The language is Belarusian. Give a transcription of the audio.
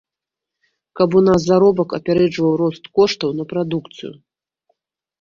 Каб у нас заробак апярэджваў рост коштаў на прадукцыю.